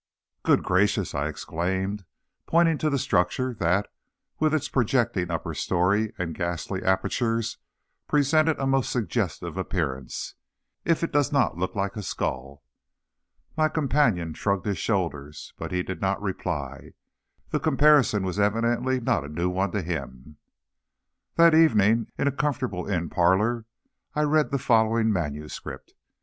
"Good gracious!" I exclaimed, pointing to the structure that, with its projecting upper story and ghastly apertures, presented a most suggestive appearance, "if it does not look like a skull!" My companion shrugged his shoulders, but did not reply. The comparison was evidently not a new one to him. That evening, in a comfortable inn parlor, I read the following manuscript.